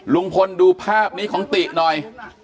ลุงพลดูภาพนี้ของติหน่อย